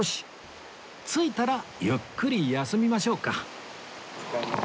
着いたらゆっくり休みましょうか